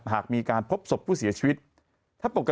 หากมีการพบศพผู้เสียชีวิตถ้าปกติแล้วนะครับ